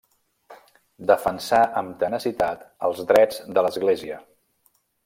Defensà amb tenacitat els drets de l'església.